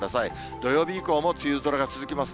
土曜日以降も梅雨空が続きます。